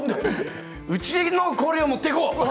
うちの氷を持って行こう！